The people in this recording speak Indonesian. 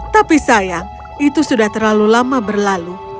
tapi sayang itu sudah terlalu lama berlalu